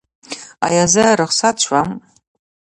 ایا زه رخصت شم؟